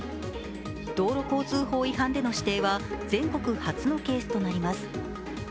道路交通法違反での指定は全国初のケースとなります。